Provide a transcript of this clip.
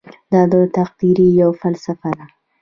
دا د تقدیر یوه فلسفه ده.